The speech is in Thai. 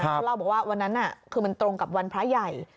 เขาเล่าบอกว่าวันนั้นคือมันตรงกับวันพระใหญ่